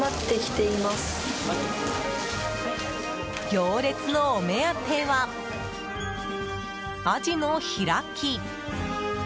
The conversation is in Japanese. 行列のお目当てはアジのひらき。